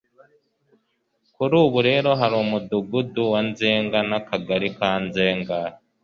kuri ubu rero hari Umudugudu wa Nzega n'Akagari ka Nzega”.